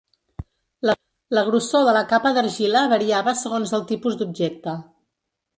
La grossor de la capa d'argila variava segons el tipus d'objecte.